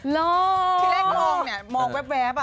หลอ้อหลอพี่เร๊กลองเนี่ยมองแว๊บอ่ะ